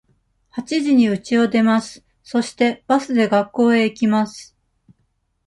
八時にうちを出ます。そして、バスで学校へ行きます。